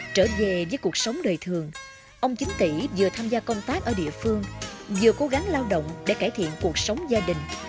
trở về với cuộc sống đời thường ông chính tỷ vừa tham gia công tác ở địa phương vừa cố gắng lao động để cải thiện cuộc sống gia đình